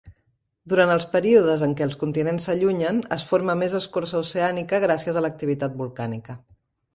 Durant els períodes en què els continents s'allunyen, es forma més escorça oceànica gràcies a l'activitat volcànica